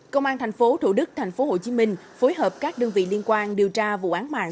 công an thành phố thủ đức thành phố hồ chí minh phối hợp các đơn vị liên quan điều tra vụ án mạng